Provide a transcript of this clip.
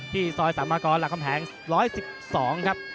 ซอยสามกรหลักคำแหง๑๑๒ครับ